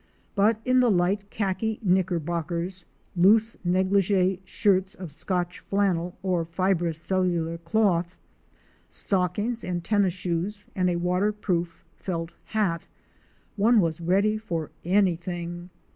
But in the light khaki knickerbockers, loose negligee shirts of scotch flannel or fibrous cellular cloth, stockings and tennis shoes and a water proof felt hat, one was ready for anything.